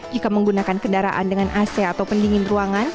jika menggunakan kendaraan dengan ac atau pendingin ruangan